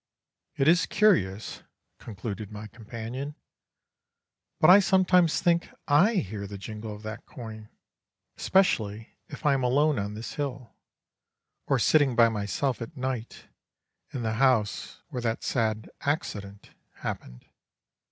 '" "It is curious," concluded my companion, "but I sometimes think I hear the jingle of that coin, especially if I am alone on this hill, or sitting by myself at night in the house where that sad accident happened."